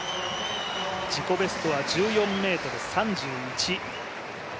自己ベストは１４ｍ３１。